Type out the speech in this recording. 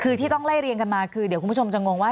คือที่ต้องไล่เรียงกันมาคือเดี๋ยวคุณผู้ชมจะงงว่า